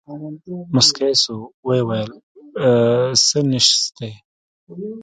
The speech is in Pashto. موسکى سو ويې ويل سه نيشتې.